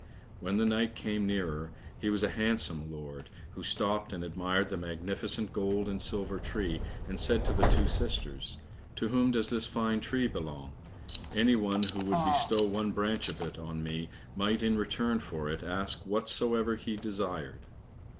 When the knight came nearer he was a handsome lord, who stopped and admired the magnificent gold and silver tree, and said to the two sisters, "To whom does this fine tree belong? Any one who would bestow one branch of it on me might in return for it ask whatsoever he desired."